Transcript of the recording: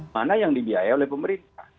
mana yang dibiaya oleh pemerintah